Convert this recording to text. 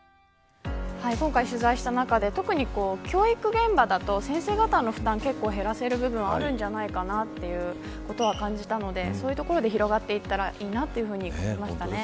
今回取材した中で特に教育現場だと先生方の負担を減らせる部分はあるんじゃないかなということは感じたのでそういうところで広がっていったらいいなというふうに思いました。